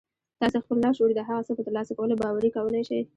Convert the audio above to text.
تاسې خپل لاشعور د هغه څه په ترلاسه کولو باوري کولای شئ